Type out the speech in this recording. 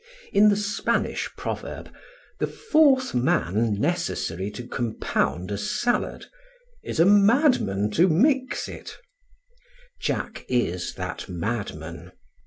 In the Spanish proverb, the fourth man necessary to compound a salad, is a madman to mix it: Jack is that madman.